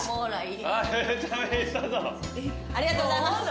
ありがとうございます。